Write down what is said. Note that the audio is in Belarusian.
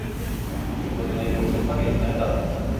Мяркую, гэта найбольш адпаведная дата.